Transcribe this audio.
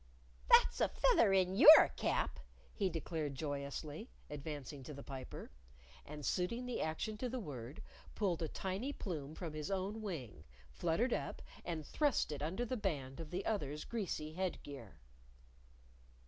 "That's a feather in your cap," he declared joyously, advancing to the Piper. And suiting the action to the word, pulled a tiny plume from his own wing, fluttered up, and thrust it under the band of the other's greasy head gear.